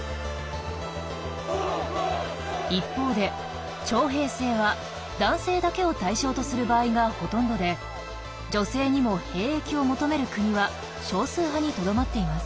一方で徴兵制は男性だけを対象とする場合がほとんどで女性にも兵役を求める国は少数派にとどまっています。